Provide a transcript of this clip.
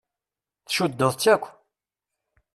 Tcuddeḍ-tt akk!